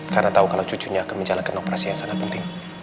karena tahu kalau cucunya akan menjalankan operasi yang sangat penting